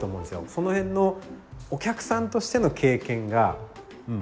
その辺のお客さんとしての経験がうん